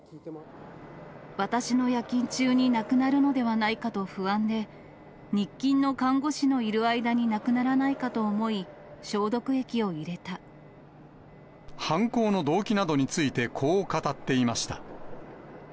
私の夜勤中に亡くなるのではないかと不安で、日勤の看護師のいる間に亡くならないかと思い、犯行の動機などについて、こう語っていました。